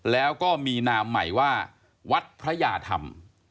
แล้วก็มีนามใหม่ว่าวัดพระยาธรรม